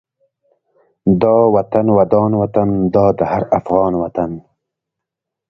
دا وطن ودان وطن دا د هر افغان وطن